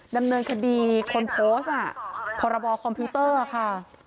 ดำเนินคดีคนโพสต์พรบคอมพิวเตอร์ค่ะ